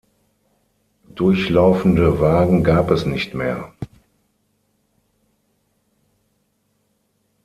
Durchlaufende Wagen gab es nicht mehr.